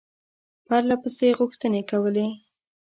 پرله پسې غوښتني کولې.